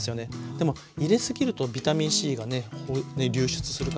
でもゆで過ぎるとビタミンＣがね流出するから。